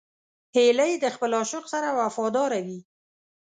هیلۍ د خپل عاشق سره وفاداره وي